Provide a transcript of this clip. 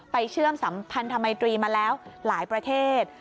เชื่อมสัมพันธมิตรีมาแล้วหลายประเทศ